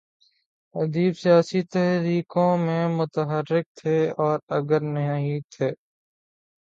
ادیب سیاسی تحریکوں میں متحرک تھے اور اگر نہیں تھے۔